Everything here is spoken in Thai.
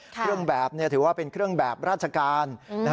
เครื่องแบบถือว่าเป็นเครื่องแบบราชการ